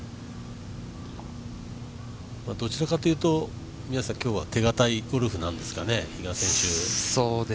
どちらかというと皆さん今日は手堅いゴルフなんですかね。